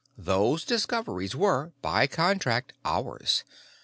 Those discoveries were, by contract, ours.